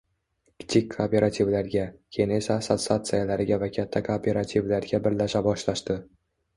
kichik kooperativlarga, keyin esa assotsiatsiyalarga va katta kooperativlarga birlasha boshlashdi.